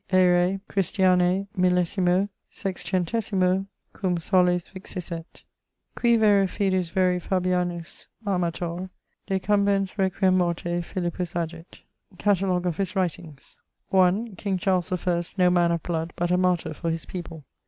aerae Christianae millessimo sexcentessimo ... cum ... soles vixisset. Qui vero fidus veri Fabianus amator Decumbens requiem morte Philippus agit. <_Catalogue of his writings._> 1. King Charles the First no man of blood, but a martyr for his people.